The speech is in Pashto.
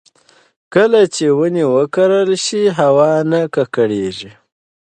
کله چې ونې وکرل شي، هوا نه ککړېږي.